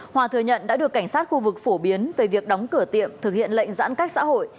hòa thừa nhận đã được cảnh sát khu vực phổ biến về việc đóng cửa tiệm thực hiện lệnh giãn cách xã hội